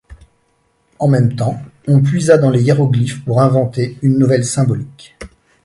En même temps, on puisa dans les hiéroglyphes pour inventer une nouvelle symbolique.